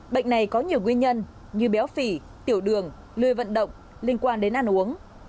bệnh này có nhiều nguyên nhân như béo phỉ tiểu đường lười vận động liên quan đến ăn uống